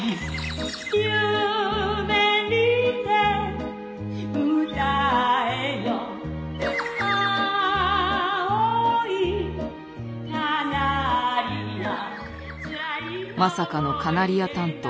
「ゆめ見てうたえよ」「青いカナリヤ」まさかのカナリヤ担当。